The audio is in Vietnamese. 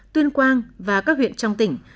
tuyên quang và các huyện trong tỉnh